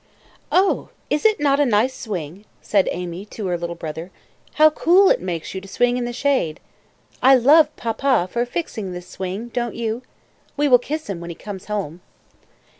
"Oh! is it not a nice swing!" said Amy to her little brother; "how cool it makes you to swing in the shade! I love papa for fixing this swing, don't you? We will kiss him when he comes home."